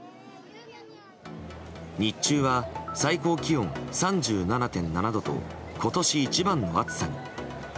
日中は最高気温３７．７度と今年一番の暑さに。